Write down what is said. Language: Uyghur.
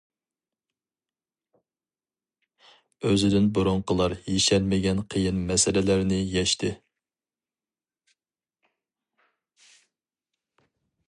ئۆزىدىن بۇرۇنقىلار يېشەلمىگەن قىيىن مەسىلىلەرنى يەشتى.